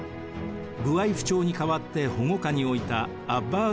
ブワイフ朝に代わって保護下に置いたアッバース